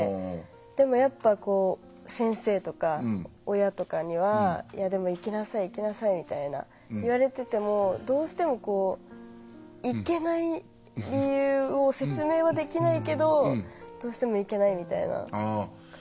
でもやっぱこう先生とか親とかにはいやでも行きなさい行きなさいみたいな言われててもどうしても行けない理由を説明はできないけどどうしても行けないみたいな感じがありました。